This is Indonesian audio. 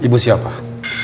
tidak kesanlight juga pak